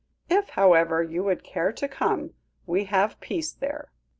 If, however, you would care to come, we have peace there."